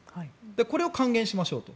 これを還元しましょうと。